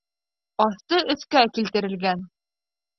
Аҫты өҫкә килтерелгән.